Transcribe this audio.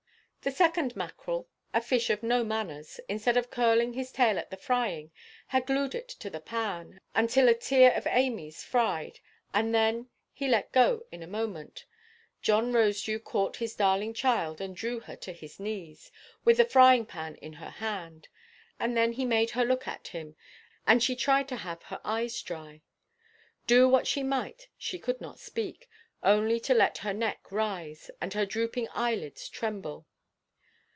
The second mackerel, a fish of no manners, instead of curling his tail at the frying, had glued it to the pan, until a tear of Amyʼs fried, and then he let go in a moment. John Rosedew caught his darling child, and drew her to his knees, with the frying–pan in her hand; and then he made her look at him, and she tried to have her eyes dry. Do what she might she could not speak, only to let her neck rise, and her drooping eyelids tremble.